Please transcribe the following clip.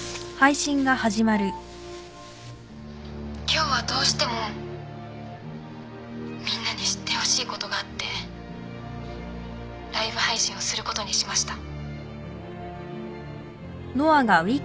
今日はどうしてもみんなに知ってほしいことがあってライブ配信をすることにしました。